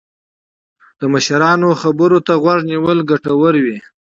د مشرانو خبرو ته غوږ نیول ګټور وي.